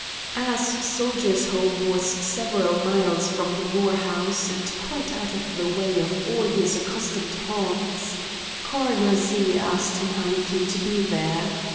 As Soldiers' Home was several miles from the Moore house and quite out of the way of all his accustomed haunts, Coroner Z. asked him how he came to be there.